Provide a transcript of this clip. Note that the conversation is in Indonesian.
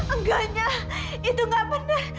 enggaknya itu gak benar